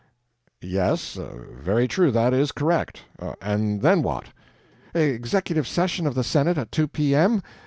"Yes ... very true ... that is correct. And then what?" "Executive session of the Senate at 2 P.M.